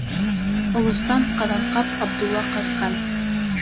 — Олостан Ҡаҙанҡап Абдулла ҡайтҡан.